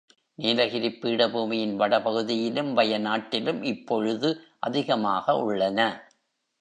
நீலகிரிப் பீடபூமியின் வடபகுதியிலும் வய நாட்டிலும் இப்பொழுது அதிகமாக உள்ளன.